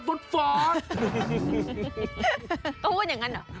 เขาพูดอย่างนั้นเหรอ